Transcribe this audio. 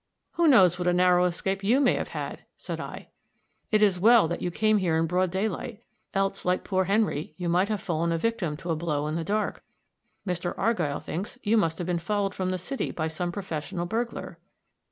"Who knows what a narrow escape you may have had," said I. "It is well that you came here in broad daylight; else, like poor Henry, you might have fallen a victim to a blow in the dark. Mr. Argyll thinks you must have been followed from the city by some professional burglar."